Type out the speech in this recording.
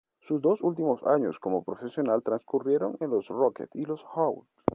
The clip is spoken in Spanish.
Sus dos últimos años como profesional transcurrieron en los Rockets y los Hawks.